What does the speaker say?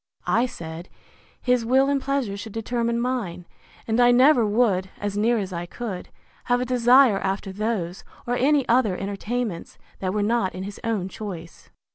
I said, His will and pleasure should determine mine; and I never would, as near as I could, have a desire after those, or any other entertainments that were not in his own choice.